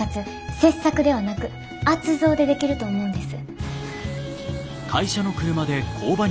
切削ではなく圧造でできると思うんです。